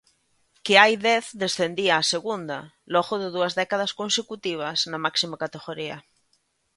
Que hai dez descendía a Segunda logo de dúas décadas consecutivas na máxima categoría.